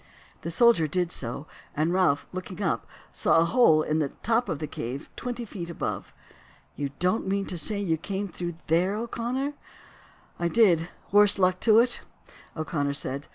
The soldier did so, and Ralph, looking up, saw a hole in the top of the cave twenty feet above. "You don't mean to say you came through there, O'Connor?" "I did, worse luck to it?" O'Connor said.